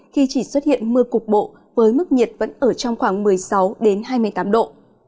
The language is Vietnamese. khi chỉ xuất hiện mưa cục bộ với mức nhiệt vẫn ở trong khoảng một mươi sáu hai mươi tám độ